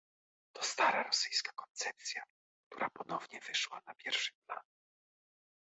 To stara rosyjska koncepcja, która ponownie wyszła na pierwszy plan